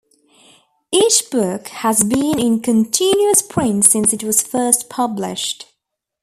Each book has been in continuous print since it was first published.